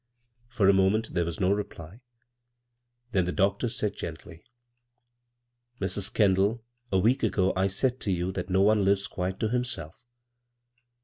For a moment there was no reply, then the ioctor said gently :" Mrs. Kendall, a week ago I said to you hat no one lives quite to himself.